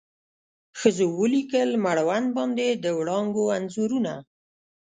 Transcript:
ښځو ولیکل مړوند باندې د وړانګو انځورونه